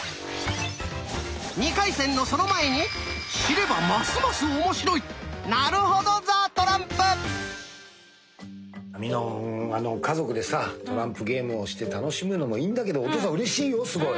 ２回戦のその前に知ればますます面白いみのんは家族でさトランプゲームをして楽しむのもいいんだけどお父さんうれしいよすごい。